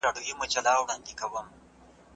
لښتې په خپل ژوند کې د یوې معجزې په تمه وه.